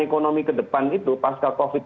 ekonomi ke depan itu pasca covid